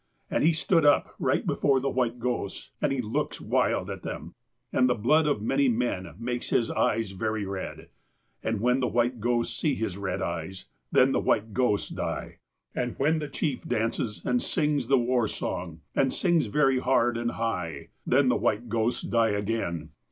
And he stood up right before the white ghosts, and he looks wild at them. And the blood of many men makes his eyes very red. And when the white ghosts see his red eyes, then the white ghosts 'die.' And when the chief dances and sings the war song, and sings very hard and high, then the white ghosts * die ' again."